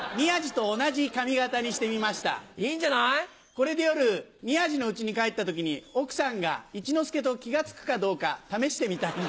これで夜宮治の家に帰った時に奥さんが一之輔と気が付くかどうか試してみたいんです。